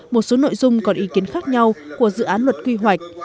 một số nội dung còn ý kiến khác nhau của dự án luật quy hoạch